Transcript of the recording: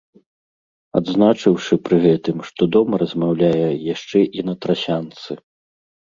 Адзначыўшы пры гэтым, што дома размаўляе яшчэ і на трасянцы.